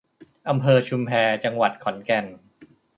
อำเภอชุมแพ จังหวัดขอนแก่น